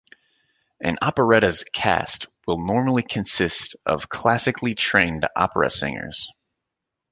An operetta's cast will normally consist of classically trained opera singers.